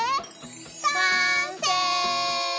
完成！